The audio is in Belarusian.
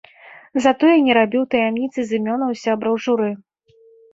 Затое не рабіў таямніцы з імёнаў сябраў журы.